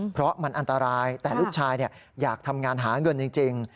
เพราะมันอันตรายแต่ลูกชายอยากทำงานหาเงินจริง